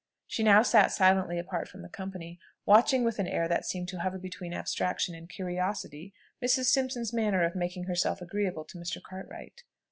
She now sat silently apart from the company, watching, with an air that seemed to hover between abstraction and curiosity, Mrs. Simpson's manner of making herself agreeable to Mr. Cartwright.